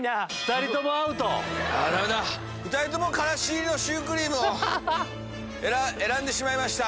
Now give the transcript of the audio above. ２人ともカラシ入りのシュークリームを選んでしまいました。